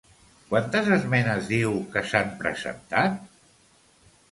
Quantes esmenes diu que s'han presentat?